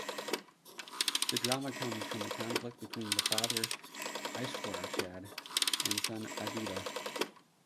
The drama comes from the conflict between the father Ishwarchand and son Aditya.